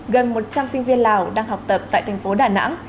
gần một trăm linh sinh viên lào đang học tập tại thành phố đà nẵng